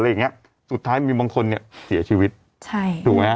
อย่างเงี้ยสุดท้ายมีบางคนเนี้ยเสียชีวิตใช่ถูกไหมฮะ